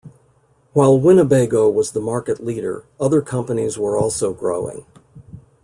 While Winnebago was the market leader, other companies were also growing.